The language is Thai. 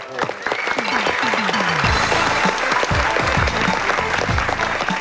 อุ้ย